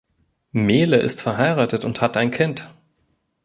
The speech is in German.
Mehle ist verheiratet und hat ein Kind.